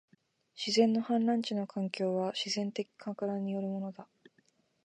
自然の氾濫地の環境は、自然的撹乱によるものだ